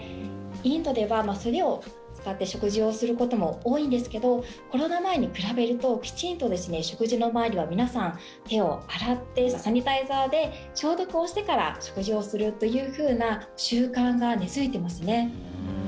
インドでは素手を使って食事をすることも多いんですけどコロナ前に比べるときちんと食事の前には皆さん、手を洗ってサニタイザーで消毒をしてから食事をするというふうな習慣が根付いてますね。